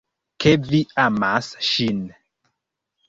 Ke vi amas ŝin.